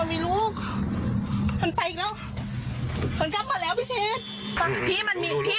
พี่เรามาแล้วพี่เชฟ